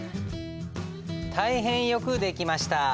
大変よくできました。